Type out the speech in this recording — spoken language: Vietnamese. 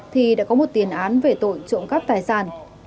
thì đã có một tiền án về tội trộm cắp tài sản